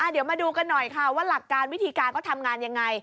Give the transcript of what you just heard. เดี๋ยวมาดูกันหน่อยค่ะว่าหลักการวิธีการเขาทำงานยังไง